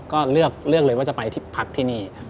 ก็เลือกเลยว่าจะไปพักที่นี่